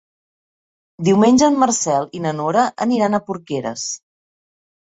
Diumenge en Marcel i na Nora aniran a Porqueres.